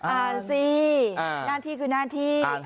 อ่านสิหน้าที่คือหน้าที่